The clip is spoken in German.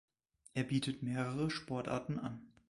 Er bietet mehrere Sportarten an.